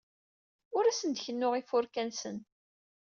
Ur asen-d-kennuɣ ifurka-nsen.